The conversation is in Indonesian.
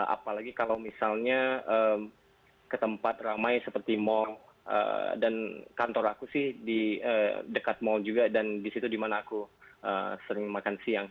apalagi kalau misalnya ke tempat ramai seperti mall dan kantor aku sih di dekat mall juga dan di situ dimana aku sering makan siang